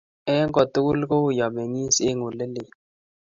eng kotugul ko uiy amengis eng ole leel